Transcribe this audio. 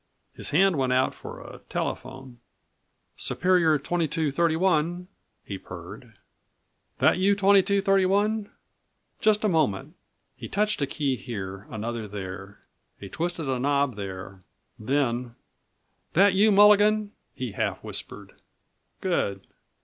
His hand went out for a telephone. "Superior 2231," he purred. "That you, 2231? Just a moment." He touched a key here, another there. He twisted a knob there, then: "That you, Mulligan?" he half whispered. "Good!